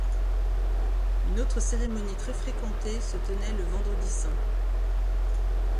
Une autre cérémonie très fréquentée se tenait le Vendredi saint.